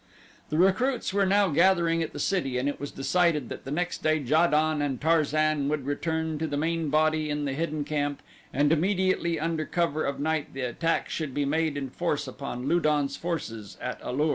The recruits were now gathering at the city and it was decided that the next day Ja don and Tarzan would return to the main body in the hidden camp and immediately under cover of night the attack should be made in force upon Lu don's forces at A lur.